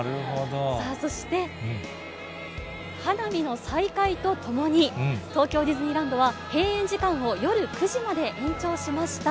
そして、花火の再開とともに、東京ディズニーランドは、閉園時間を夜９時まで延長しました。